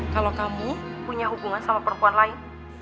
kalau kamu punya hubungan sama perempuan lain